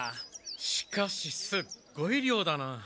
しかしすっごい量だな。